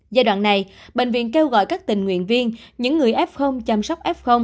giai đoạn này bệnh viện kêu gọi các tình nguyện viên những người f chăm sóc f